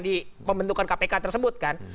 di pembentukan kpk tersebut kan